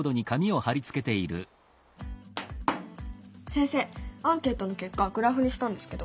先生アンケートの結果グラフにしたんですけど。